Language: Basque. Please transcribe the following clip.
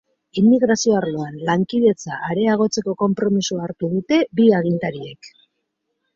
Immigrazio arloan lankidetza areagotzeko konpromisoa hartu dute bi agintariek.